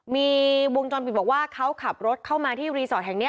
มีวงจรปิดบอกว่าเขาขับรถเข้ามาที่รีสอร์ทแห่งนี้